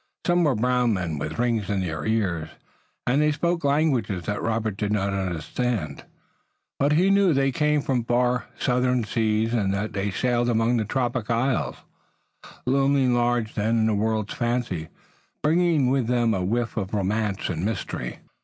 Some were brown men with rings in their ears, and they spoke languages that Robert did not understand. But he knew that they came from far southern seas and that they sailed among the tropic isles, looming large then in the world's fancy, bringing with them a whiff of romance and mystery.